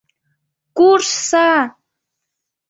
— Куржса!..